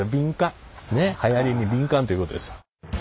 ねっはやりに敏感ということですよ。